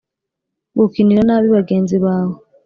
gukinira nabi bagenzi bawe